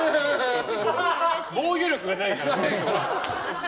防御力がないから。